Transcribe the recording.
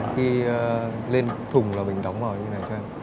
khi lên thùng là mình đóng vào như thế này cho em